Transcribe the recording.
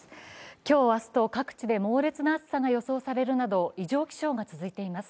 今日、明日と各地で猛烈な暑さが予想されるなど、異常気象が続いています。